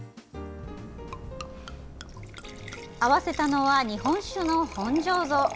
合わせたのは、日本酒の本醸造。